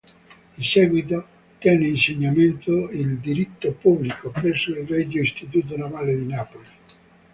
In seguito tenne l'insegnamento di "Diritto pubblico" presso il Regio Istituto navale di Napoli.